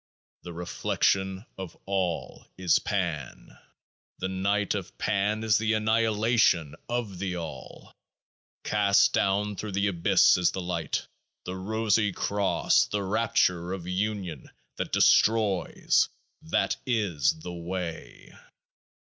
The reflection of All is Pan : the Night of Pan is the Annihilation of the All. Cast down through The Abyss is the Light, the Rosy Cross, the rapture of Union that destroys, that is The Way.